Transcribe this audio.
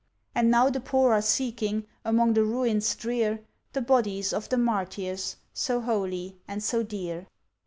And now the poor are seeking, Among the ruins drear, The bodies of the Martyrs, So holy, and so dear.